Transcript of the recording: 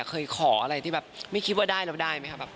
เคยขออะไรที่แบบไม่คิดว่าได้แล้วได้ไหมครับ